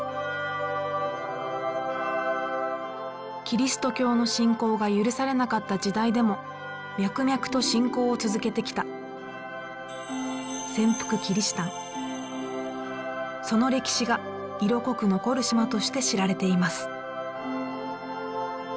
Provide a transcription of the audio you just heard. キリスト教の信仰が許されなかった時代でも脈々と信仰を続けてきたその歴史が色濃く残る島として知られています。